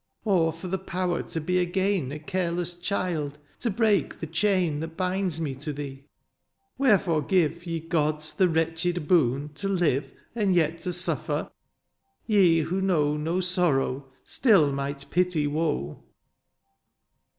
" Or for the power to be again " A careless child, to break the chain "That binds me to thee. Wherefore give, "Ye gods, the wretched boon, to live " And yet to suffer ? Ye who know "No sorrow, stiU might pity woe.